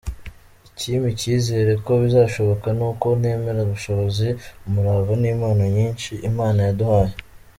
Ikimpa icyizere ko bizashoboka, ni uko nemera ubushobozi, umurava n’impano nyinshi Imana yaduhaye.